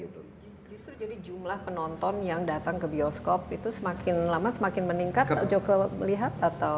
justru jadi jumlah penonton yang datang ke bioskop itu semakin lama semakin meningkat joko melihat atau